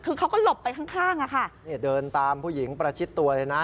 คือเขาก็หลบไปข้างข้างอ่ะค่ะนี่เดินตามผู้หญิงประชิดตัวเลยนะ